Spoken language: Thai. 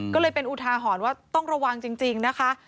ก็เลยเป็นอุทาหรณ์ว่าต้องระวังจริงนะคะ